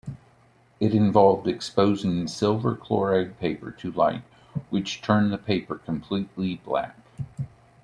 It involved exposing silver chloride paper to light, which turned the paper completely black.